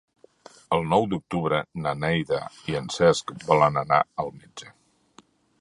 El nou d'octubre na Neida i en Cesc volen anar al metge.